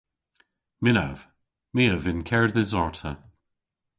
Mynnav. My a vynn kerdhes arta.